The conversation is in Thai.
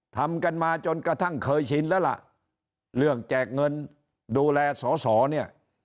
ทำกันมาจนกระทั่งเคยชินแล้วล่ะเรื่องแจกเงินดูแลสอสอเนี่ย